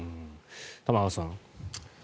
玉川さん。